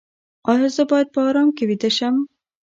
ایا زه باید په ارام کې ویده شم؟